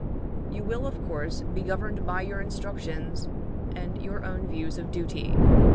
You will, of course, be governed by your instructions and your own views of duty."